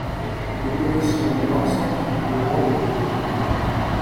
Nous les connaissions bien sans qu'il eût besoin de nous les dire.